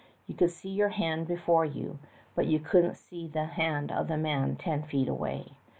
You could see your hand before you, but you couldn't see the hand of a man ten feet away.